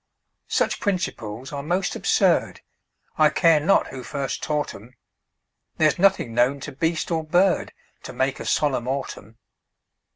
Such principles are most absurd, I care not who first taught 'em; There's nothing known to beast or bird To make a solemn autumn.